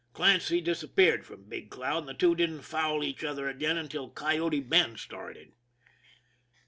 Clancy disappeared from Big Cloud, and the two didn't foul each other again until Coyote Bend started.